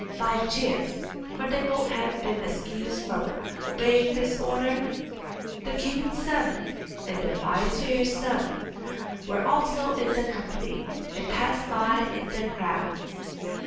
By chance (for they both had been excused from obeying this order) the king's son and the vizier's son were also in the company, and passed by in the crowd.